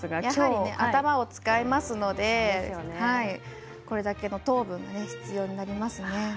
やはり頭を使いますのでこれだけの糖分が必要になります。